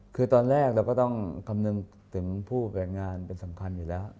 คือตอนแรกเราก็ต้องคำนึงถึงผู้แบ่งงานเป็นสำคัญอยู่แล้ว